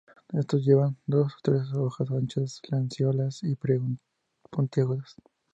Estos llevan de dos a tres hojas anchas, lanceoladas, y puntiagudas.